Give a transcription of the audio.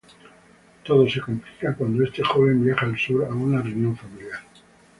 Todo se complica cuando este joven viaja al sur a una reunión familiar.